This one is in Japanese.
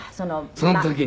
その時に。